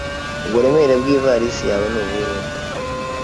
Uburemere bwa ivalisi yawe ni ubuhe?